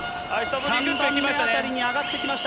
３番目辺りに上がってきました。